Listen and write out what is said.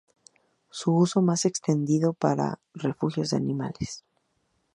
Su uso es más extendido para refugios de animales.